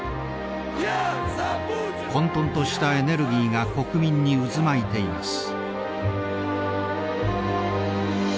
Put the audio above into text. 混とんとしたエネルギーが国民に渦巻いています。